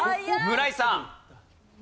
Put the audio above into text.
村井さん。